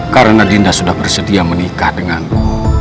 karena dinda sudah bersedia menikah denganku